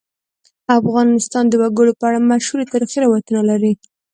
افغانستان د وګړي په اړه مشهور تاریخی روایتونه لري.